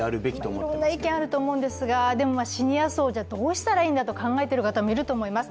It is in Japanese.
いろんな意見があると思うんですが、シニア層、どうしたらいいかと考えていると思います。